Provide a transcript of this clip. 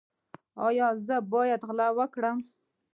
ایا زه باید غلا وکړم؟